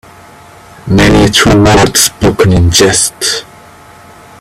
Many a true word spoken in jest.